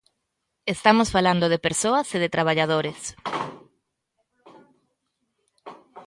Estamos falando de persoas e de traballadores.